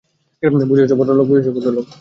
বুঝেছ, ভদ্রলোক।